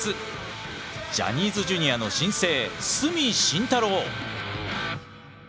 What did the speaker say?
ジャニーズＪｒ．の新星角紳太郎！